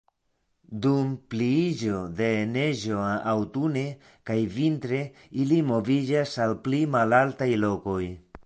Dum pliiĝo de neĝo aŭtune kaj vintre ili moviĝas al pli malaltaj lokoj.